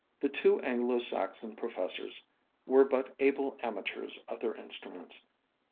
The two Anglo Saxon, professors were but able amateurs of their instruments.